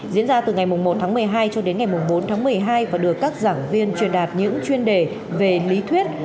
diễn ra từ ngày một tháng một mươi hai cho đến ngày bốn tháng một mươi hai và được các giảng viên truyền đạt những chuyên đề về lý thuyết